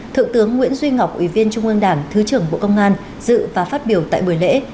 thượng tướng nguyễn duy ngọc ủy viên trung ương đảng thứ trưởng bộ công an dự và phát biểu tại buổi lễ